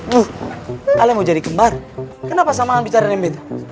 lo ale mau jadi kembar kenapa sama angan bicaranya bete